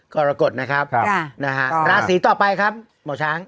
กรกฎนะครับกรกฎนะฮะราศรีต่อไปครับเหมาะช้าง